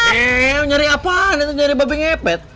eh nyari apaan itu nyari babi ngepet